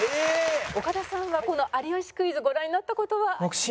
岡田さんはこの『有吉クイズ』ご覧になった事は？